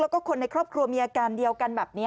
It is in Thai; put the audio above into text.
แล้วก็คนในครอบครัวมีอาการเดียวกันแบบนี้